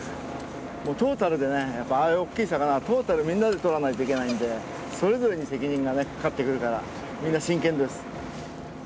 もうトータルでねやっぱああいう大っきい魚はトータルみんなで取らないといけないんでそれぞれに責任がねかかってくるからみんな真剣です